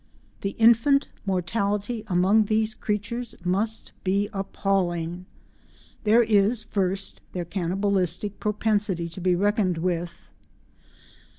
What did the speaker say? The infant mortality among these creatures must be appalling. There is first their cannibalistic propensity to be reckoned with.